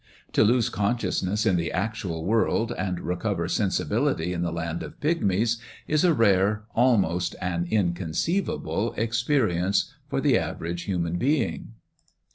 To lose consciousness in the actual world, and twover sensibility in the land of pigmies, is a rare, slmoEt an inconceivable experience for the average human "' Am I ID Lilliput? ' aaked be falntiy."